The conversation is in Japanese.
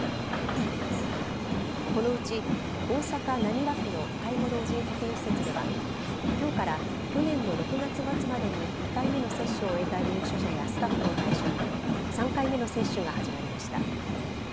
このうち大阪、浪速区の介護老人保健施設ではきょうから去年の６月末までに２回目の接種を終えた入所者やスタッフを対象に３回目の接種が始まりました。